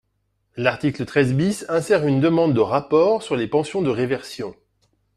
L’article treize bis insère une demande de rapport sur les pensions de réversion.